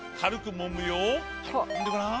もんでごらん。